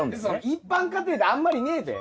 一般家庭であんまりねえべ。